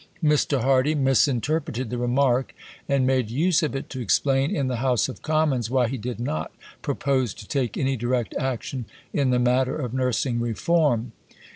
Mr. Hardy misinterpreted the remark and made use of it to explain in the House of Commons why he did not propose to take any direct action in the matter of nursing reform.